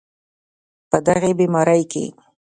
په دغې بیمارۍ کې